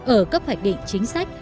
ở cấp hoạch định chính sách